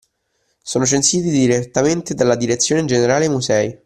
Sono censiti direttamente dalla Direzione Generale Musei